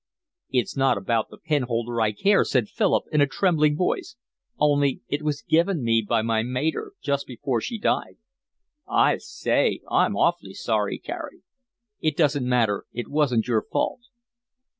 "It's not about the pen holder I care," said Philip, in a trembling voice, "only it was given me by my mater, just before she died." "I say, I'm awfully sorry, Carey." "It doesn't matter. It wasn't your fault."